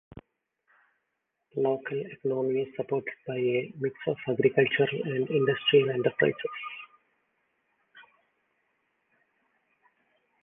The local economy is supported by a mix of agricultural and industrial enterprises.